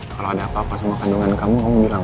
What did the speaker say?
kalau ada apa apa sama kandungan kamu kamu bilang